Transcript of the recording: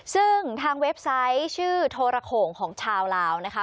ซึ่งทางเว็บไซต์ชื่อโทรโขงของชาวลาวนะคะ